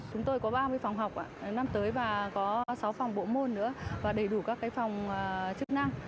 chúng tôi có ba mươi phòng học năm tới và có sáu phòng bộ môn nữa và đầy đủ các phòng chức năng